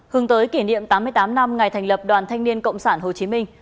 hướng tới kỷ niệm tám mươi tám năm ngày thành lập đoàn thanh niên cộng sản hồ chí minh